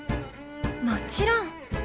「もちろん！